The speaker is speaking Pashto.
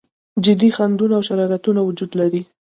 جدي خنډونه او شرارتونه وجود لري.